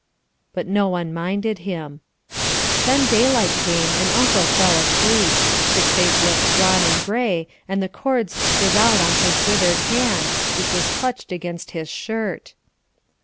But no one minded him. Then daylight came and Uncle fell asleep. His face looked drawn and gray and the cords stood out on his withered hand, which was clutched against his shirt.